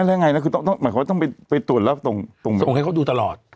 แล้วยังไงนะคือต้องหมายความว่าต้องไปตรวจแล้วตรงให้เขาดูตลอด